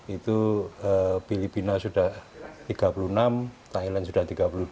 itu filipina sudah tiga puluh enam thailand sudah tiga puluh dua